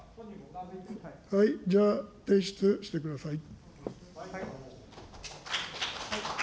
じゃあ、提出してください。